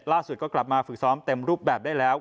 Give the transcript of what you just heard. ล่าสุดก็กลับมาฝึกซ้อมเต็มรูปแบบได้แล้ว